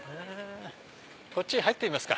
こっち入ってみますか。